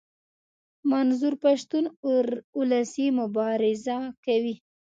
منظور پښتون اولسي مبارزه کوي.